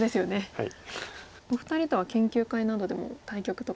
お二人とは研究会などでも対局とかは。